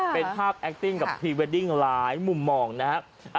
เป็นภาพแอคติ้งกับพรีเวดดิ้งหลายมุมมองนะครับ